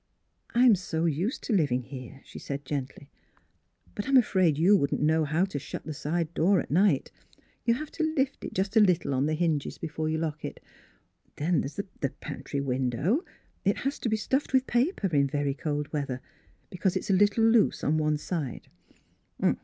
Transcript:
" I'm so used to living here," she said gently; "but I'm afraid you wouldn't know how to shut the side door at night ; Mns Fhilura's Wedding Gown you have to lift it just a little on the hinges before you lock it. Then there's the pantry window; it has to be stuffed with paper in very cold weather, because it's a little loose on one side."